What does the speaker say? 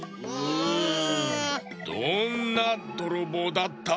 どんなどろぼうだった？